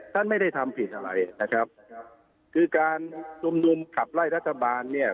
ท่านไม่ได้ทำผิดอะไรนะครับคือการชุมนุมขับไล่รัฐบาลเนี่ย